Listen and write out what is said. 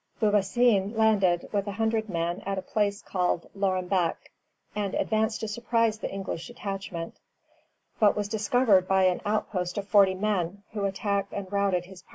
Beaubassin landed, with a hundred men, at a place called Lorembec, and advanced to surprise the English detachment; but was discovered by an outpost of forty men, who attacked and routed his party.